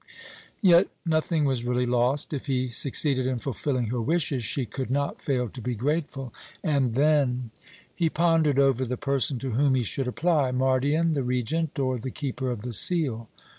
Yet nothing was really lost. If he succeeded in fulfilling her wishes, she could not fail to be grateful; and then He pondered over the person to whom he should apply Mardion, the Regent, or the Keeper of the Seal?